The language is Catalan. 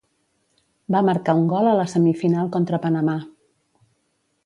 Va marcar un gol a la semifinal contra Panamà.